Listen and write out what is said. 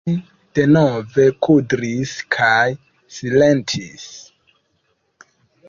Ŝi denove kudris kaj silentis.